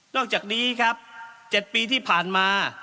อกจากนี้ครับ๗ปีที่ผ่านมา